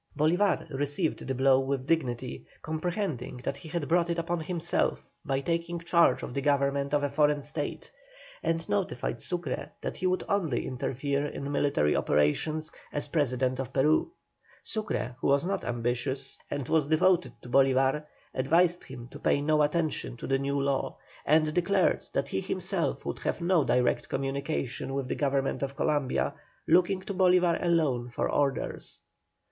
Bolívar received the blow with dignity, comprehending that he had brought it upon himself by taking charge of the government of a foreign state, and notified Sucre that he would only interfere in military operations as President of Peru. Sucre, who was not ambitious, and was devoted to Bolívar, advised him to pay no attention to the new law, and declared that he himself would have no direct communication with the Government of Columbia, looking to Bolívar alone for orders.